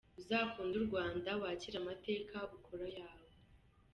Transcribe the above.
Uzakunde u Rwanda, wakire amateka ukore ayawe.